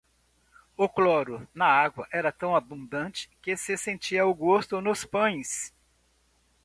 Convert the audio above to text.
O cloro na água era tão abundante que se sentia o gosto nos pães.